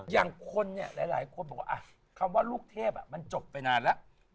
อย่างคนเนี่ยหลายคนบอกว่าคำว่าลูกเทพมันจบไปนานแล้ว